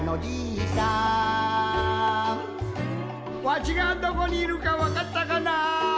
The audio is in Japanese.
わしがどこにいるかわかったかな？